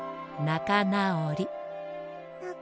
「なかなおり」。